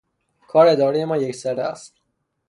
کار ادارهٔ ما یک سره است.